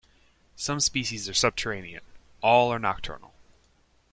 Some species are subterranean; all are nocturnal.